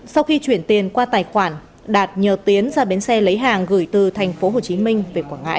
sau khi chuyển tiền qua tài khoản đạt nhờ tiến ra bến xe lấy hàng gửi từ tp hồ chí minh về quảng ngãi